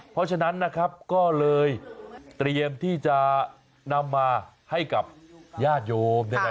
เพราะฉะนั้นก็เลยเตรียมที่จะนำมาให้กับญาติโยม